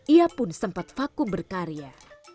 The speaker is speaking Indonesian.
ia pun sempat vakum berkarya